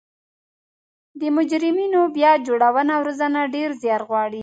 د مجرمینو بیا جوړونه او روزنه ډیر ځیار غواړي